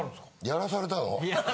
やらされたの。